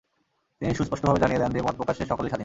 তিনি সুস্পষ্টভাবে জানিয়ে দেন যে, মত প্রকাশে সকলেই স্বাধীন।